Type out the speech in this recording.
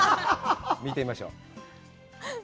見てみましょう。